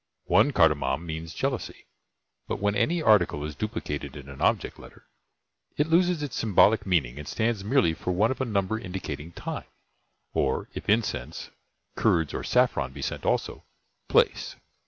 One cardamom means "jealousy;" but when any article is duplicated in an object letter, it loses its symbolic meaning and stands merely for one of a number indicating time, or, if incense, curds, or saffron be sent also, place.